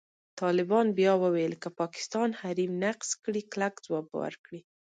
طالبان بیا وویل، که پاکستان حریم نقض کړي، کلک ځواب به ورکړي.